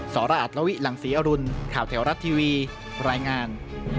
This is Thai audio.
สระอัตลวิหลังศรีอรุณข่าวแถวรัฐทีวีรายงาน